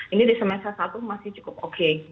ini di semester satu masih cukup oke